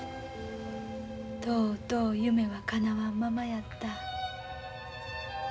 とうとう夢はかなわんままやった。